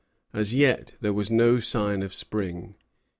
As yet there was no sign of spring.